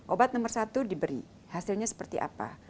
obat nomor satu diberi hasilnya seperti apa